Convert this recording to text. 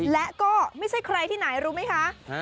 และก็ไม่ใช่ใครที่ไหนรู้ไหมคะ